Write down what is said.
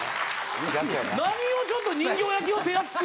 何をちょっと人形焼きを手厚く。